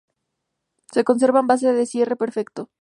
Se conserva en envases de cierre perfecto.